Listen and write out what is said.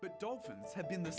trong bức ảnh này